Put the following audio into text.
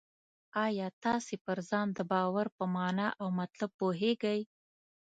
آیا تاسې پر ځان د باور په مانا او مطلب پوهېږئ؟